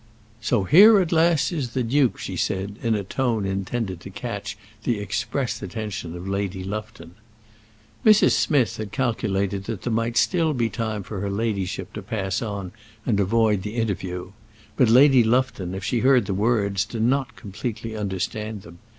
"So here at last is the duke," she said, in a tone intended to catch the express attention of Lady Lufton. Mrs. Smith had calculated that there might still be time for her ladyship to pass on and avoid the interview. But Lady Lufton, if she heard the words, did not completely understand them.